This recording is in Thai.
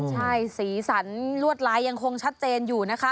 ใช่สีสันลวดลายยังคงชัดเจนอยู่นะคะ